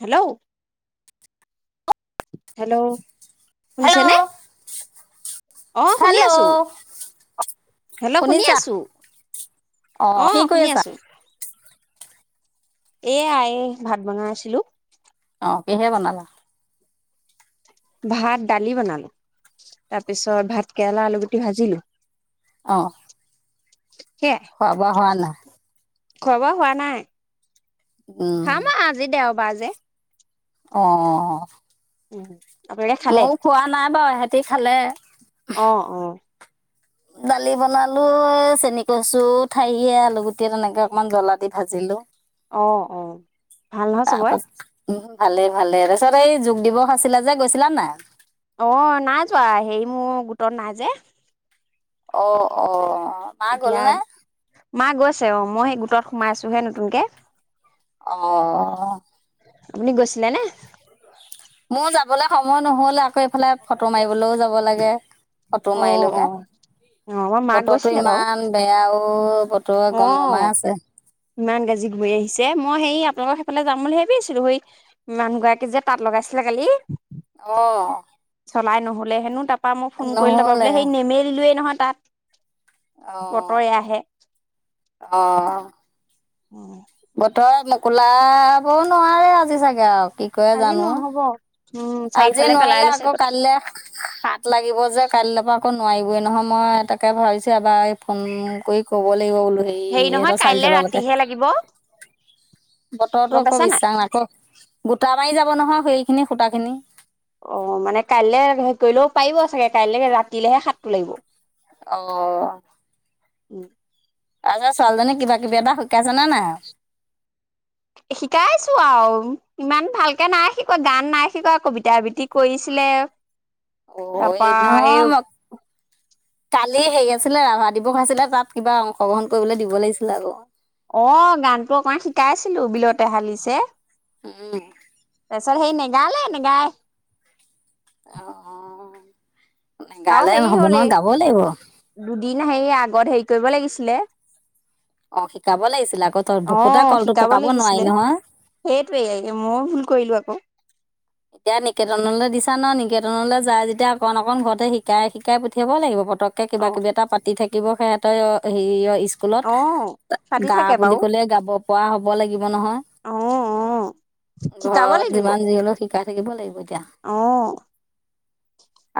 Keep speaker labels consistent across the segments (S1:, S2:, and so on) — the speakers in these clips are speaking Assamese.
S1: হেল্ল'? হেল্ল'
S2: হেল্ল'
S1: শুনিছেনে? অ, শুনি
S2: হেল্ল'
S1: আছো,। হেল্ল' শুনি
S2: শুনিছা
S1: আছো, অ,
S2: কি কৰি
S1: শুনি
S2: আছা
S1: আছো। এইয়া, এই ভাত বনাই আছিলো।
S2: অ, কিহে বনালা?
S1: ভাত দালি বনালো, তাৰ পিছত ভাত কেৰেলা, আলু গুটি ভাজিলো।
S2: আহ।
S1: [inaudible]
S2: খোৱা-বোৱা হোৱা নাই?
S1: খোৱা-বোৱা হোৱা নাই।
S2: উম
S1: খাম আও আজি দে বাজে।
S2: অ।
S1: উম আপোনালোকে খালে
S2: ময়ো খোৱা নাই বাৰু সহতি তি খালে।
S1: অ', অ।
S2: দালি বনালো, চেনি কচু ঠাৰিয়ে আলু গুটিয়ে তেনেকে অকমান জলা দি ভাজিলো।
S1: অ', অ ভাল নহয়
S2: তাৰ
S1: চবৰে?
S2: পাছত উম ভালে, ভালে তাৰপিছত এই যোগ দিৱস আছিলে যে গৈছিলা নাই?
S1: অ, নাই যোৱা হে মোৰ গোটত নাই যে।
S2: অ', অ। মা গ'ল
S1: এতিয়া
S2: নে
S1: মা গৈছে, অ, মই সেই গোটত সোমাইছোহে নতুনকে।
S2: অ।
S1: আপুনি গৈছিলে নে?
S2: মোৰ যাবলে সময় নহ'ল। আকৌ এইফালে ফটো মাৰিবলো যাব লাগে। ফটো
S1: অ
S2: মাৰিলো
S1: অ
S2: গে।
S1: অ আমাৰ মা
S2: বতৰটো
S1: গৈছিলে বাৰু
S2: ইমান বেয়া ও। অ। বতৰে
S1: অ
S2: গম-গমাই আছে।
S1: ইমান গাজি ঘূৰি আহিছে, মই সেই আপোনালোকৰ সেইফালে যাম বুলি ভাবিছিলো, সেই মানুহগৰাকী যে তাত লগাইছিলে কালি।
S2: অহ।
S1: চলাই নহ'লে হেনো তাত। তা, মই ফোন কৰিলে ত বোলে সেই নেমেলিলোয়ে নহয়। তাত
S2: অ
S1: বতৰ এয়াহে।
S2: অ'!
S1: উম!
S2: বতৰ মকোলাব নোৱাৰে আজি চাগে আৰু। কি কয়
S1: আজি
S2: জানো!
S1: নহ'ব উম
S2: আজি
S1: চাৰিওফালে পেলাই
S2: নোৱাৰিলে।
S1: লৈছে
S2: আকৌ কাইলৈ হাত লাগিব যে কাইলৈ পৰা আকৌ নোৱাৰিবই নহয়। মই তাকে ভাবিছোঁ এবাৰ ফোন কৰি ক'ব লাগিব বো সেই
S1: হেৰি নহয়
S2: ইহঁতৰ চাৰি
S1: কাইলে
S2: [unintelligible] লৈকে
S1: ৰাতিহে লাগিব
S2: বতৰতো
S1: গম
S2: আকৌ
S1: পাইছা
S2: বিশ্বাস নাই। আকৌ গোটা মাৰি যাব নহয় সেইখিনি ফুটাখিনি।
S1: অ' মানে কাইলৈ হেৰি কৰিলেও পাৰিব চাগে, কাইলৈ ৰাতিলেহে সাতটো লাগিব।
S2: অ'!
S1: উম!
S2: ৰাজা ছোৱালীজনী কিবা কিবি এটা শিকা জানা নাই আও।
S1: শিকাইছোঁ আৰু ইমান ভালকে নাই শিকোৱা। গান নাই শিকোৱা, কবিতা আবৃতি কৰিছিলে।
S2: অ'!
S1: তাৰপা
S2: এ,
S1: এই
S2: নহয় ম কালি হেৰি আছিলে, ৰাভা দিৱস আছিলে। তাত কিবা অংশগ্ৰহণ কৰিবলৈ দিব লাগিছিলে আকৌ।
S1: অ' গানটো অকমান শিকাইছিলোঁ বিলতে হালিছে।
S2: উম,
S1: তাৰপিছত সেই নে গানে নেগায়।
S2: অ'! অ'!
S1: আৰু
S2: গালে
S1: হেৰি
S2: নহ'ব
S1: হ'ল,
S2: নহয় গাব লাগিব।
S1: এই দুদিন সেই আগত হেৰি কৰিব লাগিছিলে।
S2: অ' শিকাব লাগিছিলে আকৌ তই ভুকুতা
S1: অ'!
S2: কলটো
S1: শিকাব
S2: পকাব নোৱাৰি
S1: লাগিছিলে।
S2: নহয়।
S1: সেইটোৱেই ময়ো ভুল কৰিলোঁ আকৌ।
S2: এতিয়া নিকেতনলৈ দিছা ন', নিকেতনলৈ যাই যেতিয়া অকন অকন ঘৰতে শিকাই শিকাই পঠিয়াব লাগিব। পতককে
S1: অ
S2: কিবা কিবি এটা পাতি থাকে। [unintelligible] স্কুলত
S1: অ পাতি
S2: গা
S1: থাকে
S2: বুলি
S1: বাৰু
S2: ক'লে গাব পৰা হ'ব লাগিব নহয়।
S1: অ অ শিকাব
S2: ঘৰত
S1: লাগিব
S2: যিমান যি হলেও থাকিব লাগিব এতিয়া।
S1: অ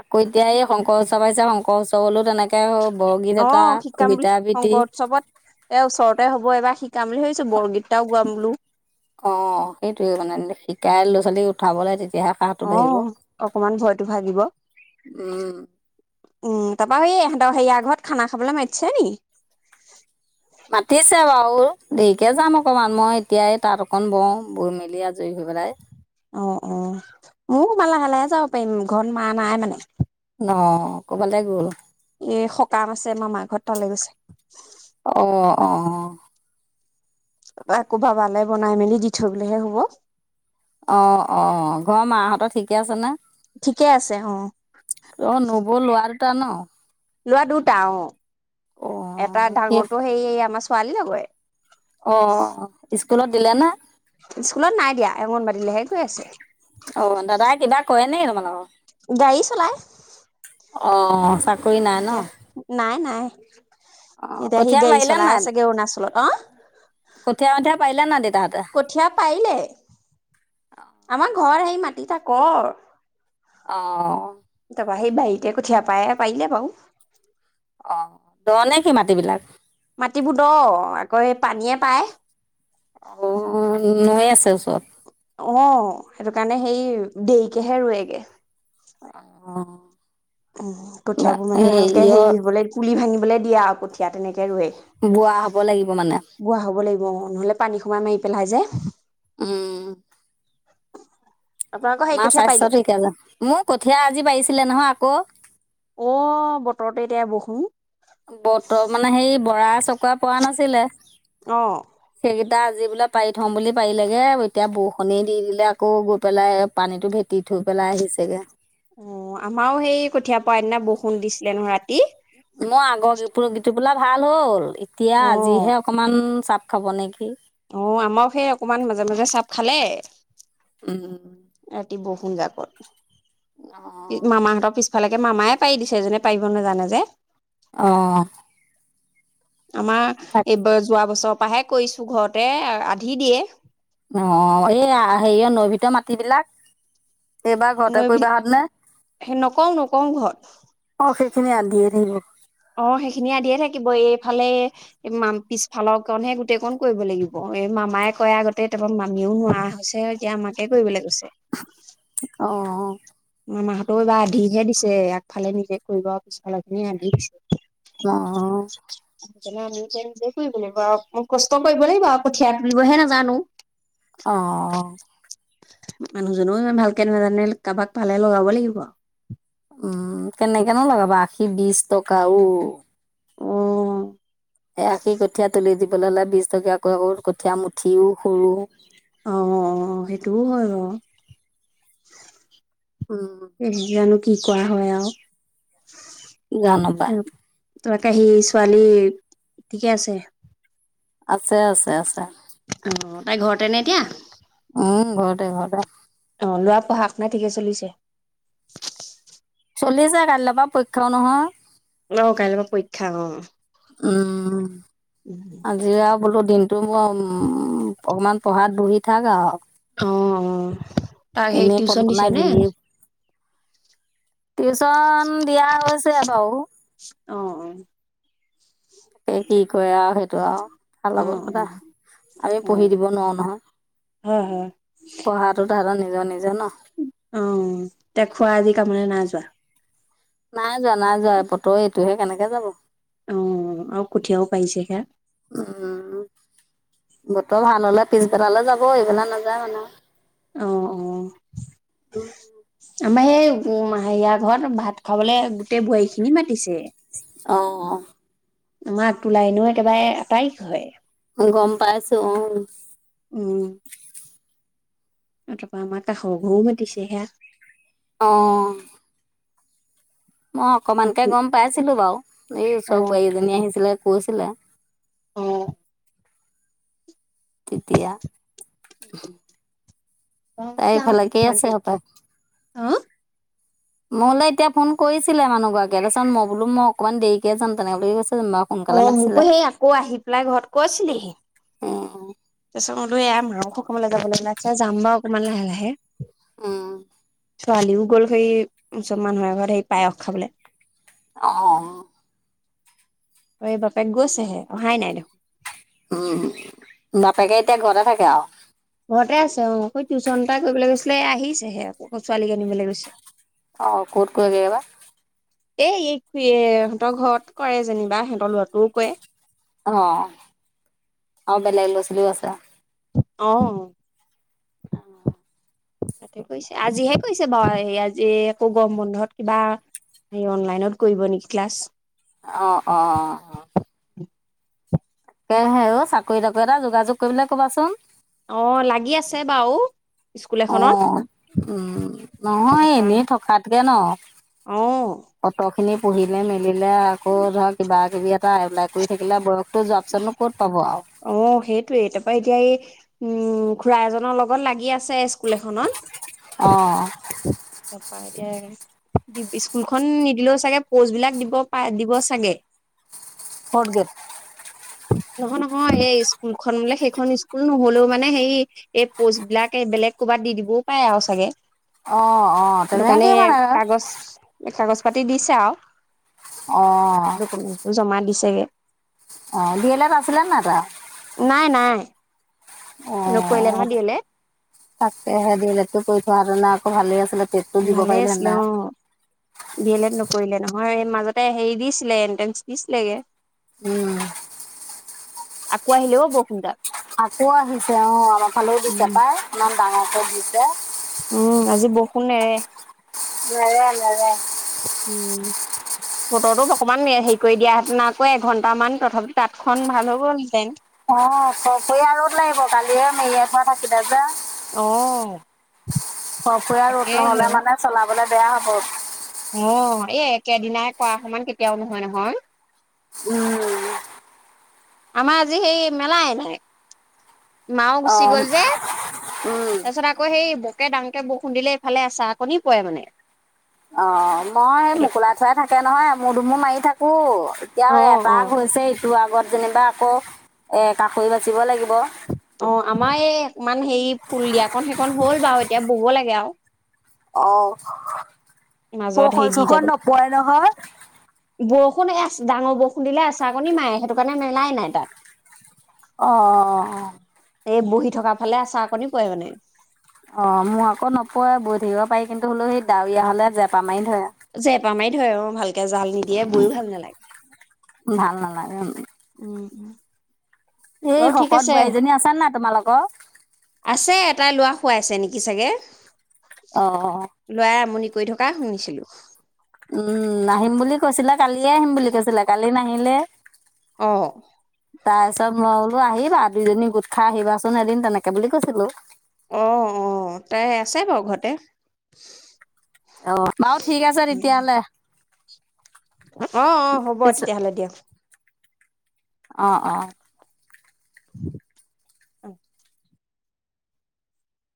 S2: আকৌ, এতিয়া এই শংকৰ উৎসৱ। [unintelligible] শংকৰ উৎসৱলেও তেনেকে। বৰগীত এটা
S1: অ' শিকাম
S2: কবিতা
S1: বুলি,
S2: আবৃত্তি
S1: শংকৰ উৎসৱত। এ, ওচৰতে হ'ব এবাৰ শিকাম বুলি ভাবি ছোঁ। বৰগীত এটাও গোৱাম বোলো।
S2: অ' সেইটোয়ে মানে, শিকাই ল'ৰা ছোৱালী উঠাবলৈ তেতি
S1: অ অকমান ভয়টো ভাগিব
S2: উম
S1: উম তাৰাপৰা স ইহঁতৰ সেয়াৰ ঘৰত খানা খাবলৈ মতিছে নেকি [unintelligible]
S2: মাতিছে বাৰু দেৰিকে যাম অকমান মই এতিয়াই তাত অকনমান বহু বহী মেলি আজুৰি হৈ পেলাই [unintelligible]
S1: অ অ মই আকমান লাহে লাহে যাব পাৰিম ঘৰত মা নাই মানে
S2: অঁ ক'ৰবালৈ গ'ল
S1: এ সকম আছে মাৰ ঘৰত তালৈ গৈছে [unintelligible]
S2: অ অ
S1: আকৌ ভালে বনাই মেলি দি থৈ
S2: অ অ ঘৰ মাহঁতৰ ঠিকে আছে নে
S1: ঠিকে আছে অ
S2: ভূটান ন
S1: লোৱা দুটা অহ এটা
S2: অ', কি
S1: ডাঙৰটো সেই আমাৰ ছোৱালী লগৰে
S2: তনত দিলে না [unintelligible]
S1: স্কুলত নাই দিয়া অংগণবাৰী লৈহে গৈ আছে
S2: অ দাদাই কিবা কয় [unintelligible] নে মান [unintelligible]
S1: গাড়ী চলাই
S2: অ চাকৰি নাই ন?
S1: এতিয়া [unintelligible] নাই নাই উ [unintelligible]
S2: অ',
S1: এতিয়া সি
S2: কঠীয়া
S1: গাড়ী
S2: পাৰিলে
S1: চলাই
S2: নাই?
S1: আছেগে অৰুণাচলত অ
S2: কঠীয়া মঠীয়া পাৰিলে নাই দেউতাহঁতে?
S1: কঠিয়া পাৰিলে আমাৰ ঘৰৰ সেই মাতি থাক
S2: অ
S1: সেই বাৰীতে কঠীয়া পায় পাৰিলে বাৰু
S2: অ দশ নেকি মাটি বিলাক
S1: মাতিবোৰ দহ আকৌ এই পানীয়ে পায়
S2: অ নৈ আছো [unintelligible] তাৰিছৰত [unintelligible] [unintelligible]
S1: অ সেইটো কাৰণে সেই দেৰিকেহে ৰোৱেগে
S2: অহ
S1: উ কঠিয়াবোৰ মানে ভালকে হেৰি বলে পুলি ভাঙি বোলে দিয়া কঠিয়া তেনেকে ৱে
S2: বোৱা হ'ব লাগিব মানে?
S1: বোৱা হব লাগিব নহলে পানী সোমাই মাৰি [unintelligible] পেলাই যে
S2: উম
S1: আপোনালোকৰ হেৰি
S2: মাৰ
S1: কঠীয়া
S2: স্বাস্থ্য
S1: পাৰিলে?
S2: ঠিক আছে, মোৰ কঠীয়া আজি পাৰিছিলে নহয়। ক'
S1: অ' বতৰতে এতিয়া বহো।
S2: বতৰ মানে সেই বৰা চকুৱা পৰা নাছিলে
S1: অ',
S2: সেইকেই ইটা আজি বোলে পাৰি থম বুলি পাৰি লেগে, এতিয়া বৰষুণেই দি দিলে আকৌ গৈ পেলাই পানীতটো ভেটি থৈ পেলাই আহিছেগে।
S1: অ' আমাৰো সেই কঠিয়া পৰা দিনা বহুত বৰষুণ দিছিলে নহয় ৰাতি
S2: মই আগৰ গী গীত টোপোলা ভাল হ'ল। এতিয়া
S1: অ'।
S2: আজিহে অকমান চা খাব নেকি?
S1: অ' আমাৰ সেই অকমান মাজে মাজে চাপ খালে।
S2: উম উম
S1: ৰাতি বহু ফোন এটা কৰ
S2: অঁ
S1: মামাহঁতৰ পিছফালেকে মামায় পাৰি দিছে এজনে পাৰিব নাজানে যে।
S2: অ'।
S1: আমাৰ এইবাৰ যোৱা বছৰ তপাহে কৰিছো ঘৰতে আধি দিয়ে।
S2: অ' এই হেৰিয় নৈ ভিতৰ মাটিবলাক এইবাৰ ঘৰতে
S1: নৈ
S2: কৰিবা হাত নে,
S1: নকওঁ নকওঁ ঘৰত
S2: অ' সেইখিনি আন্ধিয়ে থাকিব।
S1: অ' সেইখিনিয়ে আধিয়ে থাকিব এইফালে ম পিছফালৰকণহে গোটেই কণ কৰিব লাগিব। এই মামাই কয়, আগতে তাৰপৰা মামিও নোৱাৰা হৈছে, এতিয়া আমাকে কৰিবলৈ কৈছে।
S2: অ'।
S1: মাহঁতেও এইবাৰ আধিহে দিছে, আগফালে নিজে কৰিব, পিছফালৰ খিনি আধি দিছে।
S2: অহ।
S1: অ' নিজে নিজে কৰিব লাগিব আৰু ম কষ্ট কৰিব লাগিব কঠিয়া তুলিবহে নাজানো।
S2: অঁ
S1: মানুহজনেও ইমান ভালকে নাজানে কাৰোবাক পালে লগাব লাগিব।
S2: উম' কেনেকেনো লগাবা আশী, বিশ টকা উ
S1: অহ।
S2: এই আশী কঠীয়া তুলি দিবলৈ হ'লে বিশ টকীয়াকৈ আকৌ কঠীয়া মুঠিও সৰু।
S1: অ' সেইটোও হয় বাৰু
S2: উম,
S1: ইচ জানো কি কৰা হয় আৰু
S2: জানো পায়।
S1: তোমাকে সি ছোৱালী ঠিকে আছে।
S2: আছে-আছে-আছে।
S1: অ' তাই ঘৰতেনে এতিয়া
S2: উম, ঘৰতে-ঘৰতে।
S1: ল'ৰাৰ পঢ়া-শুনা ঠিকে চলিছে।
S2: চলি আছে কাইলৈ পৰা পৰীক্ষাও নহয়।
S1: অ' কাইলৈ পৰা পৰীক্ষা অ'
S2: উম তো মোৰ উম, অকমান পঢ়াত বহি থাক আৰু।
S1: অ', অ'। তাক সেই
S2: এনেই
S1: টিউচন
S2: পলপনা
S1: দিছে নে?
S2: ঘূৰি টিউচন দিয়া হৈছে বাৰু।
S1: অ', অ'।
S2: কি কি কোৱা সেইটো আৰু ভাল
S1: অ অ
S2: লগত কথা আমি
S1: অ অ
S2: পঢ়ি দিব নোৱাৰো নহয়,
S1: হয় হয়।
S2: পঢ়াটো তাহাতৰ নি জানে
S1: অ', তে খুৰা আজি কামলে নাই যো ছ
S2: নাই যোৱা, নাই যোৱা এপৰে এইটোহে কেনেকে যাব। উম,
S1: অ আৰু কঠীয়াও পাৰিছেহে।
S2: বতৰ ভাল হ'লে পিছবেলালৈ যাব এই বেলা নাযায় মানে।
S1: অ', অ'। আমাৰ সেই উম, মাহেয়া ঘৰত ভাত খাবলৈ গোটেই বোৱাৰী খিনি মাতিছে।
S2: অ'হ
S1: তোমাক টোলাই নো একেবাৰে আটাইক হয়।
S2: অ', গম পাই আছো অ'।
S1: উম। তাৰপিছত আমাৰ কাষৰ ঘৰত মাতিছে সেয়া
S2: অ'। মই
S1: অ
S2: অকমানকে গম পাইছিলো বাৰু এই ওচৰৰ বোৱাৰীজনী আহিছিলে। গৈছিলে।
S1: অ'।
S2: তেতিয়া এইফালে কেই আছে সপায়
S1: অহ?
S2: মই বোলে এতিয়া ফোন কৰিছিলে মানুহগৰাকীয়ে তাৰপিছত মই বোলো মই অকনমান দেৰিকে যাম তেনেক কৈ
S1: অ', মোকো সি আকৌ আহি পেলাই ঘৰত কৈছিলেহি।
S2: উম
S1: তাৰপিছত মলো এয়া মাংসো খাবলৈ যাব লাগে আচ্ছা যাম বাৰু অকমান লাহে লাহে।
S2: উম।
S1: ছোৱালীও গ'ল সেই চব মানুহৰ ঘৰত সেই পায়স খাবলৈ।
S2: অহ।
S1: ঐ বাপেক গৈছেহে অহাই নাই দেখোন।
S2: উম, বাপেকে এতিয়া ঘৰতে থাকে আৰু।
S1: ঘৰতে আছে অ', টিউশ্যন এটা কৰিবলৈ গৈছিলে আহিছেহে ছোৱালীক আনিবলৈ গৈছে।
S2: অ', ক'ত গৈ বা
S1: এ এই তুৱে সিহঁতৰ ঘৰত কৰে যেনিবা সিহঁতৰ ল'ৰাটোও কৰে।
S2: অ', অ', বেলেগ ল'ৰা ছালীও আছে।
S1: অহ।
S2: অ'।
S1: তাতে কৈছে আজিহে কৈছে বাৰু এই আজি একো গৰম বন্ধত কিবা হে অনলাইনত কৰিব নেকি ক্লাছ।
S2: অ অ অ। এ হে আৰু চাকৰি তাকৰি এটা যোগাযোগ কৰিবলে কবাচোন।
S1: অ লাগি আছে বাৰু। স্কুল
S2: অ
S1: এখনত
S2: উম নহয়
S1: তাৰপা
S2: এনেই থকাতকে ন
S1: অ
S2: পত খিনি পঢ়িলে মেলিলে আকৌ ধৰক কিবা কিবি এটা এপ্লাই কৰি থাকিলে বয়স। ত যোৱা পিছত নো ক'ত পাব আৰু।
S1: অ সেইটোয়ে তাৰ পৰা এতিয়া এই উম খুৰা এজনৰ লগত লাগি আছে স্কুল এখনত
S2: হয়
S1: তাৰাপা এতিয়া স্কুলখন নিদিলেও চাগে প'ষ্টবিলাক দিব পাই দিব চাগে।
S2: Fort gate.
S1: নহয় নহয় এই স্কুলখন বোলে সেইখন স্কুল নহলেও মানে সেই এই প'ষ্টবিলাক এই বেলেগ ক'ৰবাত দি দিবও পাৰে আৰু চাগে।
S2: আহ আহ
S1: সেইটো
S2: তেনে
S1: কাৰণে
S2: কেই মানে আৰু।
S1: কাগজ কাগজ পাতি দিছে
S2: অঁ
S1: আৰু ডকুমেন্ট জমা দিছে। চাগে
S2: অ বিয়েলত আছিলে নাই তা
S1: নাই নাই
S2: অ
S1: নকৰিলে নহয় ডি এল এড
S2: তাক সে দিলো কৈ থোৱা আৰু নাক। ভালে আছিলে। টেটটো দিব
S1: ভালে
S2: পাৰিলেহেঁতেন
S1: আছিলে অ
S2: আৰু।
S1: বিয়েলে কৰিলে নহয় মাজতে হেৰি দিছিলে এন্ট্ৰেন্ঞ্চ দিছিলেগে।
S2: উম
S1: আকৌ আহিলেও বৰষুণ তাত
S2: আকৌ আহিছে অ আমাৰ ফালেও দিছে
S1: উম।
S2: পাই ইমান ডাঙকে দিছে।
S1: উম আজি বৰষুণ নেৰে।
S2: নেৰে নেৰে।
S1: বতৰটো অকণমান হেৰি কৰি দিয়া হেঁতেন আকৌ এঘন্টামান তথাপি তাঁতখন ভাল হৈ গলেঁতেন
S2: অ খ খৰিয়া ৰদ লাগিব কালিয়ে মেৰিয়াই থোৱা থাকিলে যে।
S1: আহ
S2: ফৰ ফৰিয়া ৰ'দ নহলে মানে চলাবলৈ বেয়া হ'ত
S1: অ এই একেদিনাই কৰা সমান কেতিয়াও নহয় নহয়।
S2: উম
S1: আমাৰ আজি সেই মেলাই নাই। মাও গুচি
S2: উম
S1: গ'ল যে তাৰপিছত আকৌ হেৰি ডাঙকে বৰষুণ দিলে এইফালে এচাকনি পৰে মানে
S2: অ মই সেই
S1: সেইটো
S2: মোকোলা থোৱাই থাকে নহয় এমুৰ দুমুৰ মাৰি থা কো এতিয়া হয়
S1: অ' অ
S2: এপাক হৈছেই তোৰ আগত যেনিবা আকৌ এ কাষৈ বাচিব লাগে
S1: অ আমাৰ এইমান হেৰি ফুল দিয়াকন সেইকন হ'ল বাৰু এতিয়া বুব লাগে আৰু
S2: অহ
S1: মাজত হেৰি
S2: বৰষুণ
S1: দি
S2: চৰখন
S1: যাবলৈ।
S2: নপৰে নহয়
S1: বৰষুণ হে আছে ডাঙৰ বৰষুণ দিলে আচাকণী মাৰে সেইটো কাৰণে মেলাই নাই তাত
S2: অ, অ, অ, অ
S1: এই বহি থকা ফালে আচাকণী পৰে মানে?
S2: অঁ মোৰ আকৌ নপৰে বৈ থাকিব পাৰি কিন্তু হলেও সেই ডাৱৰীয়া হলে জেপা- আমাই ধৰা
S1: পা মাৰি ধৰে অ ভাল গেজাল নিদিয়ে বৈ ভাল নালাগে।
S2: ভাল নালাগে
S1: উম উম
S2: এই
S1: বাৰু ঠিক
S2: শকত
S1: আছে
S2: বোৱাৰীজনী আছা নে না তোমালো- ক
S1: আছে, এটাই লোৱা খোৱাইছে নেকি চাগে।
S2: অঁ
S1: লৈ আমনি কৈ থকাই শুনিছিলো
S2: উম নাহিম বুলি কৈছিলে কালিয়ে আহিম বুলি কৈছিলে কালি নাহিলে
S1: অহ
S2: তাৰ পিছত মই বোলো আহিবা দুইজনী গোট খাই আহিবাচোন এদিন তেনেকে বুলি কৈছিলো।
S1: অহ অহ তাই আছে বাৰু ঘৰতে।
S2: অ বাৰু ঠিক আছে তেতিয়াহলে
S1: অ অ হ'ব
S2: পিছত
S1: তেতিয়াহ'লে দিয়া।
S2: অ অ
S1: অ।